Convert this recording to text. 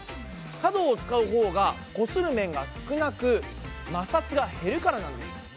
角を使うほうがこする面が少なく摩擦が減るからなんです。